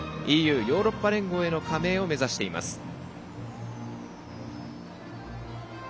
ＥＵ＝ヨーロッパ連合への加盟を目指しています。